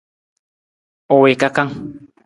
U wii kakang.